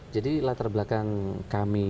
jadi latar belakang kami